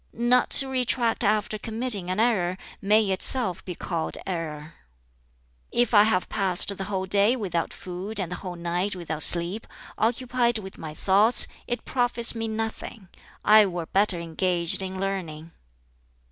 "Not to retract after committing an error may itself be called error. "If I have passed the whole day without food and the whole night without sleep, occupied with my thoughts, it profits me nothing: I were better engaged in learning.